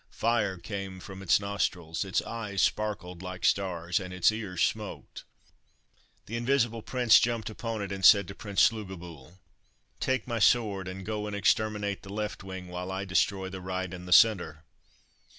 Fire came from its nostrils. Its eyes sparkled like stars, and its ears smoked. The Invisible Prince jumped upon it, and said to Prince Slugobyl— "Take my sword and go and exterminate the left wing, while I destroy the right and the centre."